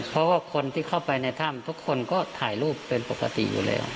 เพราะว่าคนที่เข้าไปในถ้ำทุกคนก็ถ่ายรูปเป็นปกติอยู่แล้ว